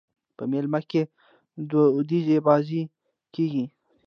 په مېله کښي دودیزي بازۍ کېږي.